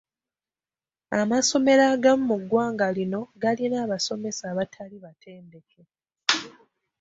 Amasomero agamu mu ggwanga lino galina abasomesa abatali batendeke.